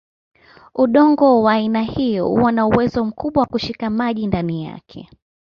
Udongo wa aina hiyo huwa na uwezo mkubwa wa kushika maji ndani yake.